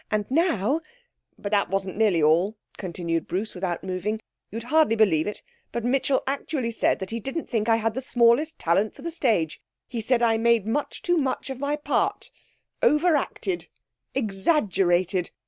And now ' 'But that wasn't nearly all,' continued Bruce, without moving; 'you'd hardly believe it, but Mitchell actually said that he didn't think I had the smallest talent for the stage! He said I made much too much of my part over acted exaggerated!